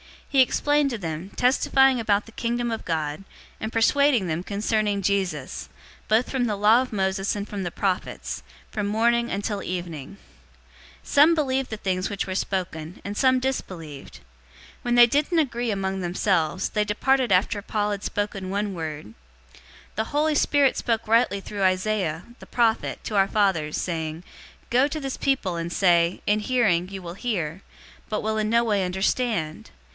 He explained to them, testifying about the Kingdom of God, and persuading them concerning Jesus, both from the law of Moses and from the prophets, from morning until evening. 028:024 Some believed the things which were spoken, and some disbelieved. 028:025 When they didn't agree among themselves, they departed after Paul had spoken one word, "The Holy Spirit spoke rightly through Isaiah, the prophet, to our fathers, 028:026 saying, 'Go to this people, and say, in hearing, you will hear, but will in no way understand.